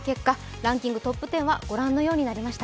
ランキングトップ１０はご覧のようになりました。